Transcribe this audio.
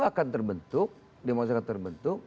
akan terbentuk demokrasi akan terbentuk